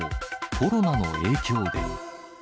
コロナの影響で。